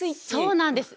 そうなんです。